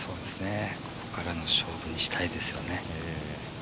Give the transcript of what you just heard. ここからの勝負にしたいですよね。